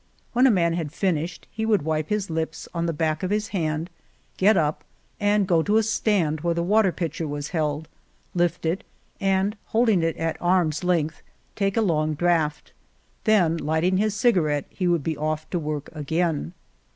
When a man had finished, he would wipe his lips with the back of the hand, get up and go to a stand where the water pitcher was held, lift it and, hold ing it at arm's length, take a long draught, then lighting his cigarette, he would be off to work again.